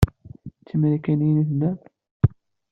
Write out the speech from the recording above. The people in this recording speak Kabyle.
D timarikaniyin i tellamt?